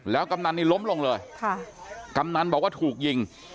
กำนันนี่ล้มลงเลยค่ะกำนันบอกว่าถูกยิง